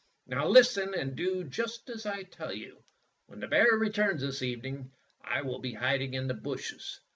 "Now listen and do just as I tell you. Wlien the bear returns this evening I will be hiding in the bushes.